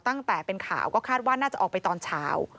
ตั้งแต่เป็นข่าวก็คาดว่าน่าจะออกไปตอนเช้า